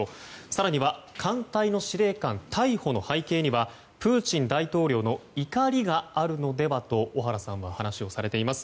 更には艦隊の司令官逮捕の背景にはプーチン大統領の怒りがあるのではと小原さんは話をされています。